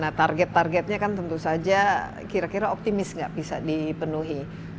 nah target targetnya kan tentu saja kira kira optimis nggak bisa dipenuhi